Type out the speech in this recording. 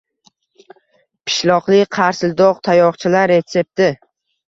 Pishloqli qarsildoq tayoqchalar retsepti